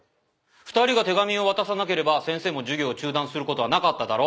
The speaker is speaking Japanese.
２人が手紙を渡さなければ先生も授業を中断することはなかっただろう？